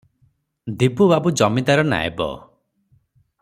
ଦିବୁ ବାବୁ ଜମିଦାର ନାଏବ ।